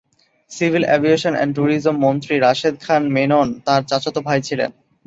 Civil aviation and tourism মন্ত্রী রাশেদ খান মেনন তার চাচাত ভাই ছিলেন।